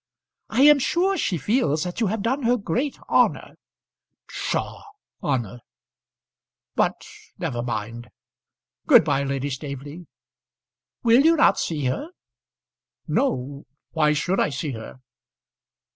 "I am sure she feels that you have done her great honour." "Psha! honour! But never mind Good bye, Lady Staveley." "Will you not see her?" "No. Why should I see her?